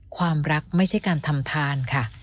ความรักไม่ใช่การทำทานค่ะ